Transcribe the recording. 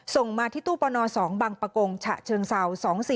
ส่งมาที่ตู้ปน๒บังปกงฉะเชิงเสา๒๔๑๓๐